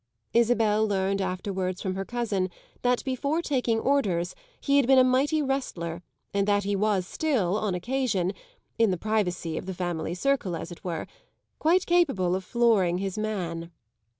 Isabel learned afterwards from her cousin that before taking orders he had been a mighty wrestler and that he was still, on occasion in the privacy of the family circle as it were quite capable of flooring his man.